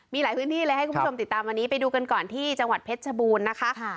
มีหลายพื้นที่เลยให้คุณผู้ชมติดตามวันนี้ไปดูกันก่อนที่จังหวัดเพชรชบูรณ์นะคะ